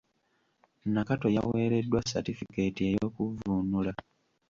Nakato yaweredwa satifikeeti ey’okuvvuunula.